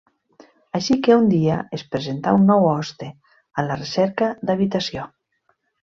Així que un dia es presentà un nou hoste, a la recerca d'habitació.